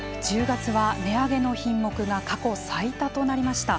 １０月は値上げの品目が過去最多となりました。